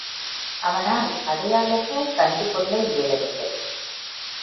அவனால் அடையாளமே கண்டு கொள்ள இயலவில்லை.